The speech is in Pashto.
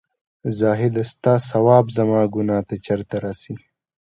زاهـده سـتـا ثـواب زمـا ګـنـاه تـه چېرته رسـي